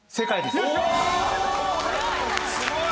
すごい！